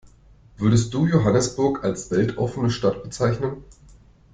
Würdest du Johannesburg als weltoffene Stadt bezeichnen?